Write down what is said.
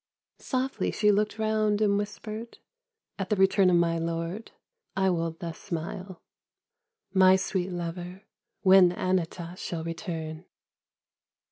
Softly she looked round and whispered :" At the return of my lord I will thus smile. My sweet lover, when Anata. shall return